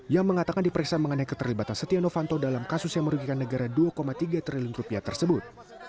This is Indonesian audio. yang mengatakan diperiksa mengenai keterlibatan setia novanto dalam kasus yang merugikan negara dua tiga triliun rupiah tersebut